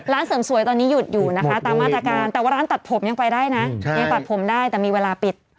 เสริมสวยตอนนี้หยุดอยู่นะคะตามมาตรการแต่ว่าร้านตัดผมยังไปได้นะยังตัดผมได้แต่มีเวลาปิด